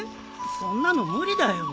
そんなの無理だよ。